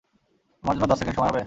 আমার জন্য দশ সেকেন্ড সময় হবে?